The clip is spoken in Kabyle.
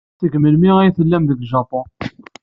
Seg melmi ay tellam deg Japun?